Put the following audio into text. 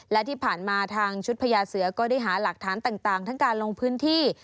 และที่ผ่านมาทางชุดพญาเสือก็ได้หาหลักฐานต่างทั้งการลงพื้นที่